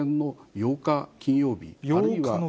８日の金曜日。